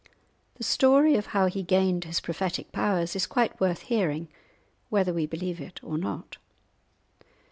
The story of how he gained his prophetic powers is quite worth hearing, whether we believe it or not.